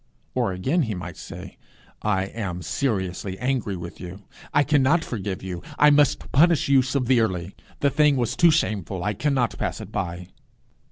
Or, again, he might say 'I am seriously angry with you. I cannot forgive you. I must punish you severely. The thing was too shameful! I cannot pass it by.'